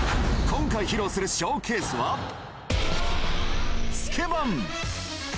今回披露するショーケースは、スケバン。